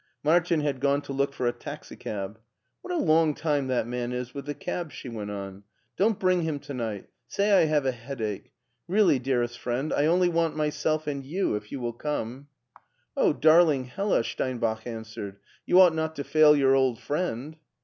Martin had gone to look for a taxicab. " What a long time that man is with the cab," she went on. " Don't bring him to night ; say I have a headache. Really, dearest friend, I only want myself and you, if you will come." " Oh, darling Hella !" Steinbach answered, " you ought not to fail your old friend."